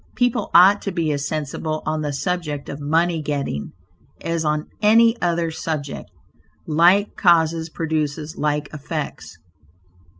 People ought to be as sensible on the subject of money getting as on any other subject. Like causes produces like effects.